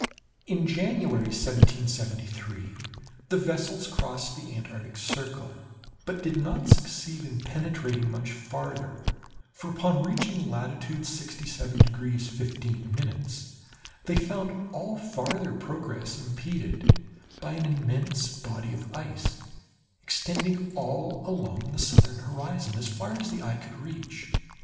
In January, 1773, the vessels crossed the Antarctic circle, but did not succeed in penetrating much farther; for upon reaching latitude 67 degrees 15' they found all farther progress impeded by an immense body of ice, extending all along the southern horizon as far as the eye could reach.